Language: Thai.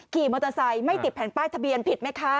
ขี่มอเตอร์ไซค์ไม่ติดแผ่นป้ายทะเบียนผิดไหมคะ